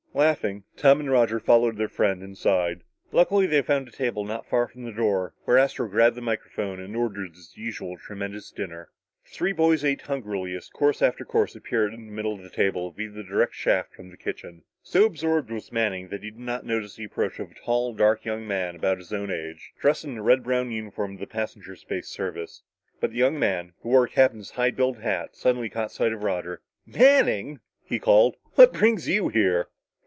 Laughing, Tom and Roger followed their friend inside. Luckily, they found a table not far from the door, where Astro grabbed the microphone and ordered his usual tremendous dinner. The three boys ate hungrily as course after course appeared on the middle of the table, via the direct shaft from the kitchen. So absorbed was Manning that he did not notice the approach of a tall dark young man of about his own age, dressed in the red brown uniform of the Passenger Space Service. But the young man, who wore a captain's high billed hat, suddenly caught sight of Roger. "Manning," he called, "what brings you here?"